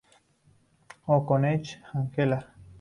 O'Connell, Angela.